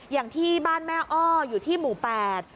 อย่างที่บ้านแม่อ้ออยู่ที่หมู่แปด